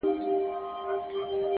هره هڅه د هویت برخه ګرځي!